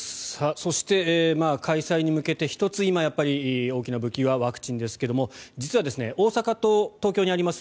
そして、開催に向けて１つ、大きな武器はワクチンですけれど実は大阪と東京にあります